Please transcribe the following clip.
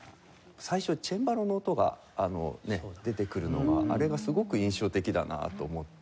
最初チェンバロの音が出てくるのがあれがすごく印象的だなと思って。